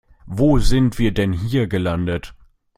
Wo sind wir denn hier gelandet?